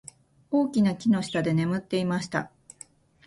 大きな木の下で眠っていました。